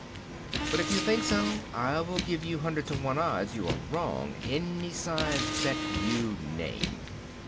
But if you think so, I will give you hundred to one odds you are wrong, any size bet you name."